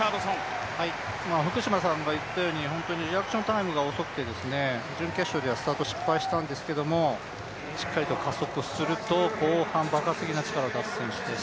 朝原福島さんが言ったようにリアクションタイムが遅くて準決勝ではスタート失敗したんですけど、しっかりと加速すると後半爆発的な力を出す選手です。